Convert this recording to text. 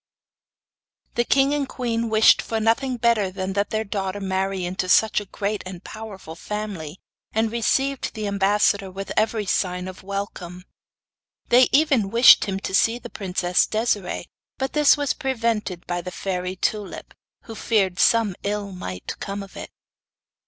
The king and queen wished for nothing better than that their daughter marry into such a great and powerful family, and received the ambassador with every sign of welcome. They even wished him to see the princess Desiree, but this was prevented by the fairy Tulip, who feared some ill might come of it.